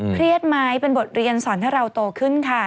เครียดไหมเป็นบทเรียนสอนให้เราโตขึ้นค่ะ